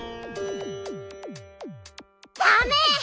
ダメ！